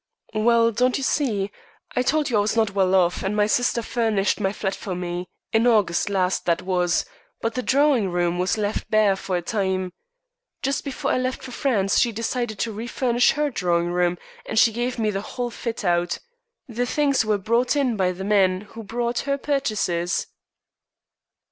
"Well, don't you see, I told you I was not well off, and my sister furnished my flat for me, in August last that was, but the drawing room was left bare for a time. Just before I left for France she decided to refurnish her drawing room, and she gave me the whole fit out. The things were brought in by the men who brought her purchases."